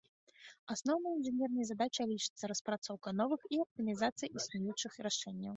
Асноўнай інжынернай задачай лічыцца распрацоўка новых і аптымізацыя існуючых рашэнняў.